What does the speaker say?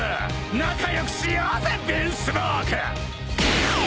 仲良くしようぜヴィンスモーク！